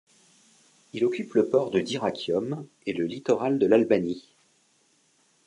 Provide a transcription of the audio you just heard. Il occupe le port de Dyrrachium et le littoral de l’Albanie.